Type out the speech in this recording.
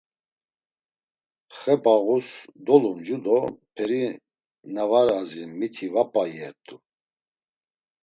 Xebağus columca do peri na var azin miti va p̌a iyert̆u.